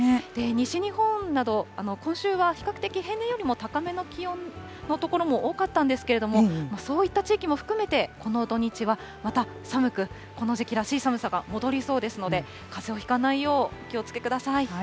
西日本など、今週は比較的平年よりも高めの気温の所も多かったんですけれども、そういった地域も含めて、この土日はまた寒く、この時期らしい寒さが戻りそうですので、かぜをひかないよう、お気をつけください。